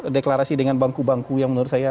deklarasi dengan bangku bangku yang menurut saya